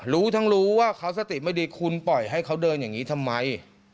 รู้ทั้งรู้ว่าเขาสติไม่ดีคุณปล่อยให้เขาเดินอย่างนี้ทำไม